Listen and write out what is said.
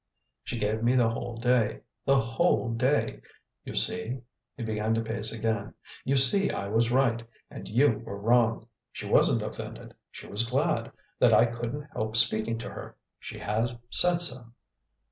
She gave me the whole day the whole day! You see" he began to pace again "you see I was right, and you were wrong. She wasn't offended she was glad that I couldn't help speaking to her; she has said so."